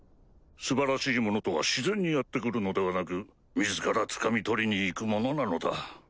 素晴らしいものとは自然にやって来るのではなく自らつかみ取りに行くものなのだ。